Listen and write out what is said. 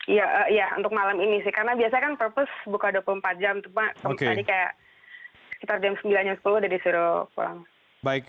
iya iya untuk malam ini sih karena biasanya kan purpose buka dua puluh empat jam cuma tadi kayak sekitar jam sembilan jam sepuluh udah disuruh pulang